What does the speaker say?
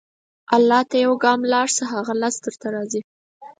الله ته یو ګام لاړ شه، هغه لس درته راځي.